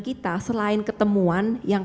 kita selain ketemuan yang